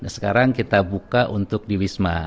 sekarang kita buka untuk di wisma